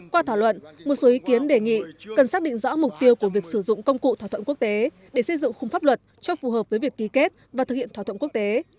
qua thảo luận một số ý kiến đề nghị cần xác định rõ mục tiêu của việc sử dụng công cụ thỏa thuận quốc tế để xây dựng khung pháp luật cho phù hợp với việc ký kết và thực hiện thỏa thuận quốc tế